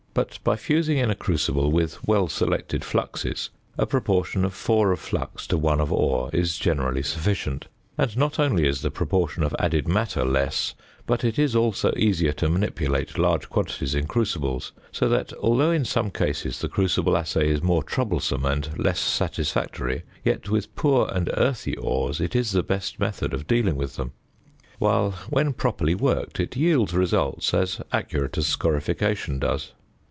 But by fusing in a crucible with well selected fluxes, a proportion of 4 of flux to 1 of ore is generally sufficient; and not only is the proportion of added matter less, but it is also easier to manipulate large quantities in crucibles, so that, although in some cases the crucible assay is more troublesome and less satisfactory, yet with poor and earthy ores it is the best method of dealing with them; while when properly worked it yields results as accurate as scorification does.